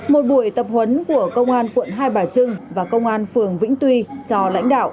một buổi tập huấn của công an quận hai bà trưng và công an phường vĩnh tuy cho lãnh đạo